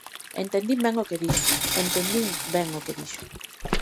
Entendín ben o que dixo, entendín ben o que dixo.